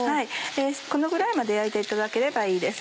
このぐらいまで焼いていただければいいです。